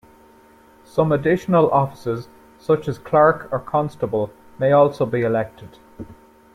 Some additional offices, such as clerk or constable, may also be elected.